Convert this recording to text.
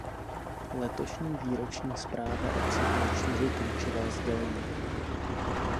Letošní výroční zpráva obsahuje čtyři klíčová sdělení.